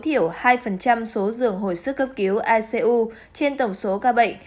theo mô hình tháp ba tầng bảo đảm tối thiểu hai số dường hồi sức cấp cứu icu trên tổng số ca bệnh